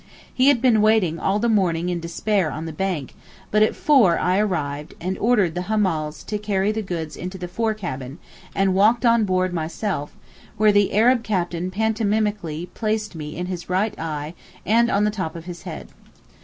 He had been waiting all the morning in despair on the bank; but at four I arrived, and ordered the hammals to carry the goods into the forecabin, and walked on board myself, where the Arab captain pantomimically placed me in his right eye and on the top of his head.